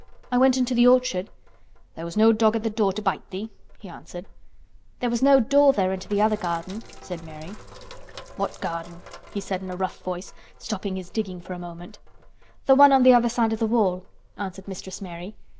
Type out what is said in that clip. "I went into the orchard." "There was no dog at th' door to bite thee," he answered. "There was no door there into the other garden," said Mary. "What garden?" he said in a rough voice, stopping his digging for a moment. "The one on the other side of the wall," answered Mistress Mary.